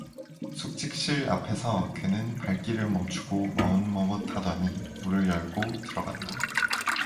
숙직실 앞에서 그는 발길을 멈추고 머뭇머뭇하더니 문을 열고 들어간다.